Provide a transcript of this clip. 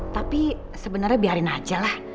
tapi sebenarnya biarin aja lah